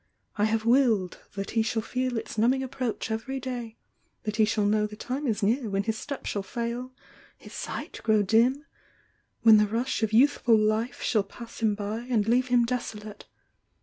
I have ,villed that he shall feel iU Z H^! .approach each day, that he shall know the time is near when his step shall fail, his sieht grow dun, when the rush of youthful Ufe shall S hmi by and leave hun desolate.